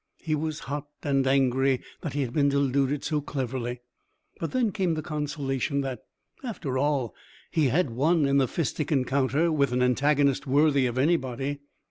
He was hot and angry that he had been deluded so cleverly, but then came the consolation that, after all, he had won in the fistic encounter with an antagonist worthy of anybody.